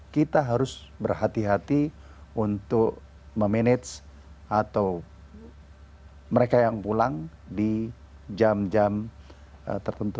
kita harus berhati hati untuk memanage atau mereka yang pulang di jam jam tertentu